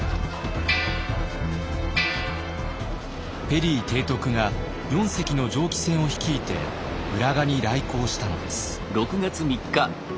ペリー提督が４隻の蒸気船を率いて浦賀に来航したのです。